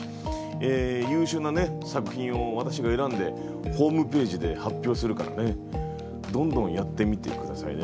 優秀なね作品を私が選んでホームページで発表するからねどんどんやってみて下さいね。